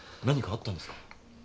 何かあったんですか？